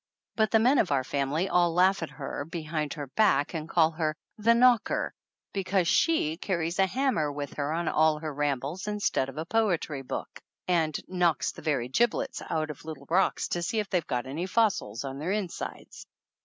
But the men of our family all laugh at her behind her back and call her "The Knocker," because she carries a hammer with her on all her rambles instead of a poetry book, and knocks the very jiblets out of little rocks to see if they've got any fossils on their insides.